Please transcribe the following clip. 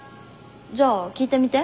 じゃあ聞いてみて。